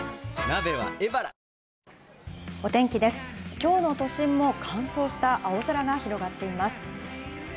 今日の都心も乾燥した青空が広がっています。